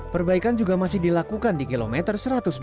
perbaikan juga masih dilakukan di kilometer satu ratus empat puluh